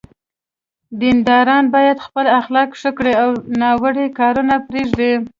دینداران باید خپل اخلاق ښه کړي او ناوړه کارونه پرېږدي.